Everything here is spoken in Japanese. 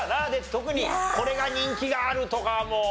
特にこれが人気があるとかも。